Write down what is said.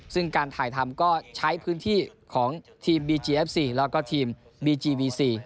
ซึ่งการถ่ายทำก็ใช้พื้นที่ของทีมบีจีเอฟซีแล้วก็ทีมบีจีวีซี